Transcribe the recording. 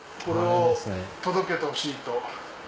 これを届けてほしいと。